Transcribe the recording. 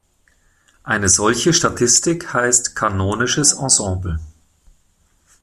Eine solche Statistik heißt kanonisches Ensemble.